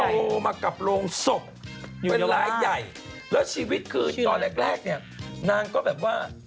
โตมากับโรงศพเป็นรายใหญ่แล้วชีวิตคือตอนแรกแรกเนี่ยนางก็แบบว่า